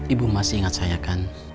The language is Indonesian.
ibu masih ingat saya kan